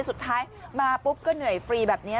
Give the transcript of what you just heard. สุดท้ายมาปุ๊บก็เหนื่อยฟรีแบบนี้